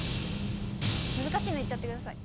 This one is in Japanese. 難しいの言っちゃってください。